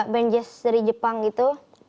bank jazz dari jepang gitu